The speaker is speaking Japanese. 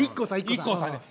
ＩＫＫＯさんね。